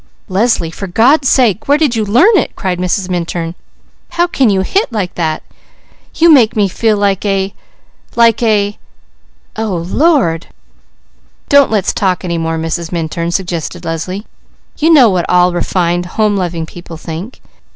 "Leslie, for God's sake where did you learn it?" cried Mrs. Minturn. "How can you hit like that? You make me feel like a like a ! Oh Lord!" "Don't let's talk any more, Mrs. Minturn," suggested Leslie. "You know what all refined, home loving people think.